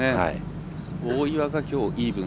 大岩が、きょうイーブン。